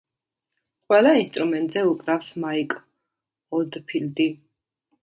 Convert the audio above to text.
ყველა ინსტრუმენტზე უკრავს მაიკ ოლდფილდი.